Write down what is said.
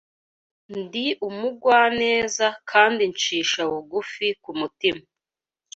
Ndi umugwaneza kandi ncisha bugufi kumutima